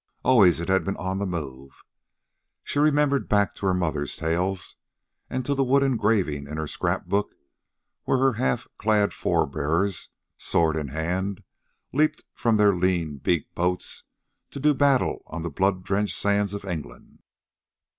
Always it had been on the move. She remembered back to her mother's tales, and to the wood engraving in her scrapbook where her half clad forebears, sword in hand, leaped from their lean beaked boats to do battle on the blood drenched sands of England.